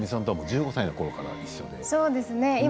１５歳のころから一緒で？